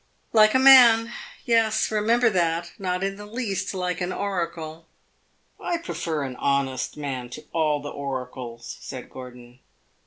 "Like a man, yes. Remember that. Not in the least like an oracle." "I prefer an honest man to all the oracles," said Gordon.